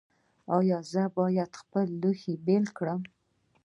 ایا زه باید خپل لوښي بیل کړم؟